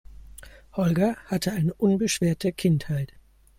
Holger hatte eine unbeschwerte Kindheit.